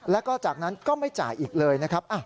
แล้วก็จากนั้นก็ไม่จ่ายอีกเลยนะครับ